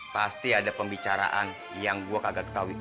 pasti ada pembicaraan yang gue kagak ketahui